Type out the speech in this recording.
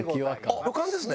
あっ旅館ですね。